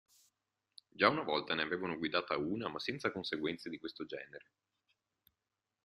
Già una volta ne avevano guidata una ma senza conseguenze di questo genere.